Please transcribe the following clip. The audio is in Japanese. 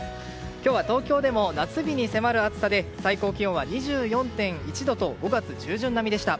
今日は東京でも夏日に迫る暑さで最高気温は２４．１度と５月中旬並みでした。